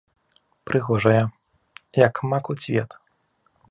Прыгожая, як макаў цвет.